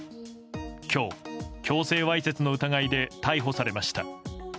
今日、強制わいせつの疑いで逮捕されました。